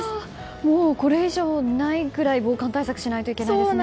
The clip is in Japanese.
もう、これ以上ないぐらい防寒対策しないといけないですね。